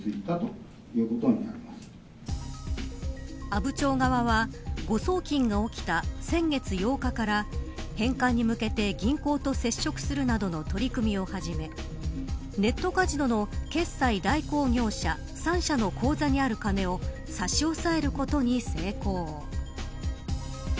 阿武町側は誤送金が起きた先月８日から返還に向けて銀行と接触するなどの取り組みを始めネットカジノの決済代行業者３社の口座にある金を差し押さえることに成功。